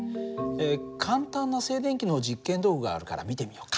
簡単な静電気の実験道具があるから見てみようか。